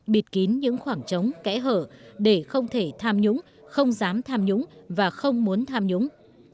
bịt kín những khoảng trống kẽ hở để không thể tham nhũng không dám tham nhũng và không muốn tham nhũng